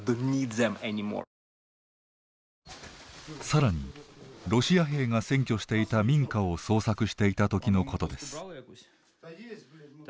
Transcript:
更にロシア兵が占拠していた民家を捜索していた時のことです。